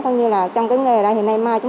được hướng nghiệp dạy nghề